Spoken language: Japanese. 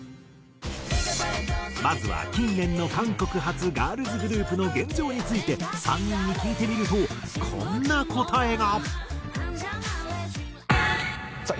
まずは近年の韓国発ガールズグループの現状について３人に聞いてみるとこんな答えが。